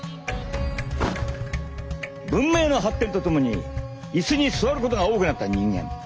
文明の発展とともに椅子に座ることが多くなった人間。